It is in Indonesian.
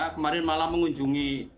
kemarin malam mengunjungi